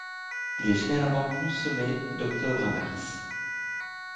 Il est généralement consommé d'octobre à mars.